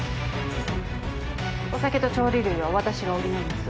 お酒と調理類は私が補います。